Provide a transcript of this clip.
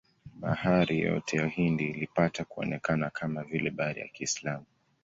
Bahari yote ya Hindi ilipata kuonekana kama vile bahari ya Kiislamu.